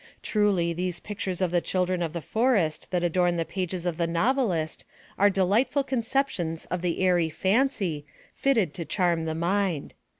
Truly, those pictures of the children of the forest that adorn the pages of the novelist are delightful conceptions of the airy fancy, fitted to charm the mind.